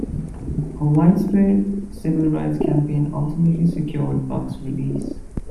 A widespread civil rights campaign ultimately secured Buck's release.